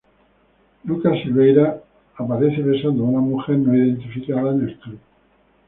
Lucas Silveira aparece besando a una mujer no identificada en el club.